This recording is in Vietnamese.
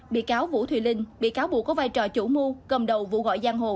bị cáo vũ thùy linh bị cáo buộc có vai trò chủ mưu cầm đầu vụ gọi giang hồ